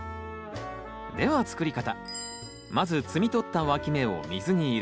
では作り方。